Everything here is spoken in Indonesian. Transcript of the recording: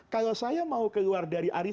kalau saya mau keluar dari aris